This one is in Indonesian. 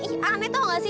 ih aneh tau gak sih